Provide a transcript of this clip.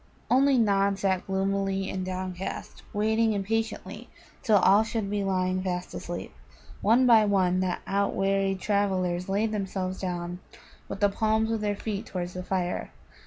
Only Nod sat gloomy and downcast, waiting impatiently till all should be lying fast asleep. One by one the outwearied travellers laid themselves down, with the palms of their feet towards the fire.